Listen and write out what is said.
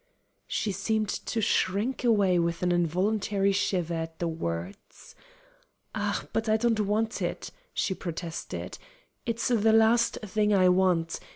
She seemed to shrink away with an involuntary shiver at the words. "Ah, but I don't want it," she protested. "It's the last thing I want.